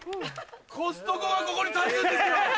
コストコがここに建つんですよ。